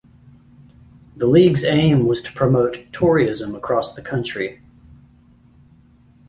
The league's aim was to promote Toryism across the country.